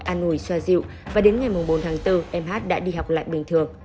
an ủi xoa dịu và đến ngày bốn tháng bốn em h đã đi học lại bình thường